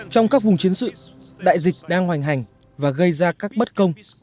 trong các vùng chiến sự đại dịch đang hoành hành và gây ra các bất công